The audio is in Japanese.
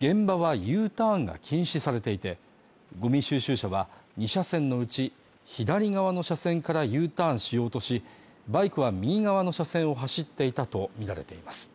現場はＵターンが禁止されていてごみ収集車は２車線のうち左側の車線からＵターンしようとしバイクは右側の車線を走っていたとみられています